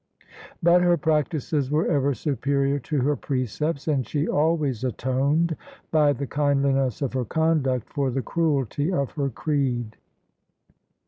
But her practices were ever superior to her precepts: and she always atoned, by the kindliness of her conduct, for the cruelty of her creed.